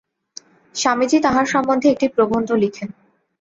স্বামীজী তাঁহার সম্বন্ধে একটি প্রবন্ধ লিখেন।